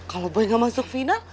kalau boy gak masuk final